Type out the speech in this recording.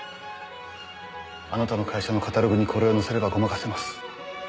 あなたの会社のカタログにこれを載せればごまかせます。